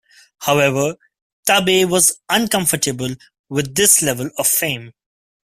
However, Tabei was uncomfortable with this level of fame.